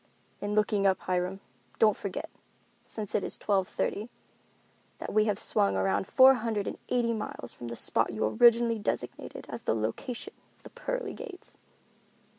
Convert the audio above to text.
"In looking up, Hiram, don't forget, since it is twelve thirty, that we have swung around four hundred and eighty miles from the spot you originally designated as the location of the Pearly Gates."